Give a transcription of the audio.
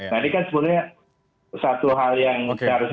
nah ini kan sebenarnya satu hal yang harus